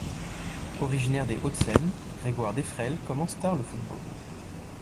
Originaire des Hauts-de-Seine, Grégoire Defrel commence tard le football.